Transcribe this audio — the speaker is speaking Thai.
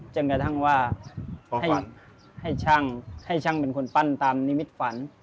จนกระทั่งว่าให้ช่างเป็นคนปั้นตามมิตรฝัน